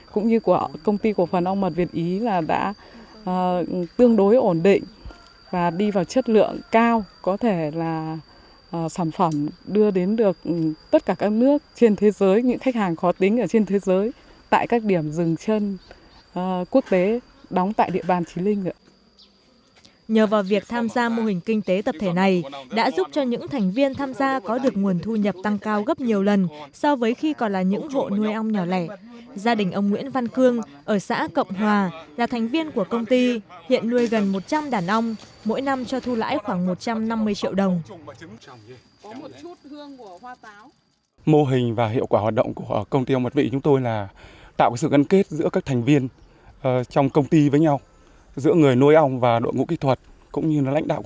cũng như công ty của phần ong mật việt ý đã tương đối ổn định và đi vào chất lượng cao